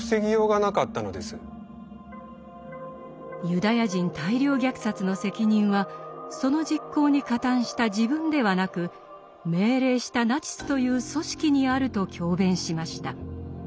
ユダヤ人大量虐殺の責任はその実行に加担した自分ではなく命令したナチスという組織にあると強弁しました。